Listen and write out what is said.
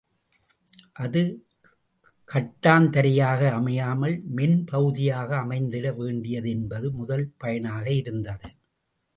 அது கட்டாந்தரையாக அமையாமல், மென்பகுதியாக அமைந்திட வேண்டியது என்பது முதல் பயனாக இருந்தது.